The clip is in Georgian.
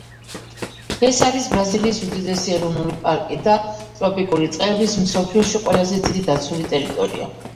ეს არის ბრაზილიის უდიდესი ეროვნული პარკი და ტროპიკული ტყეების მსოფლიოში ყველაზე დიდი დაცული ტერიტორია.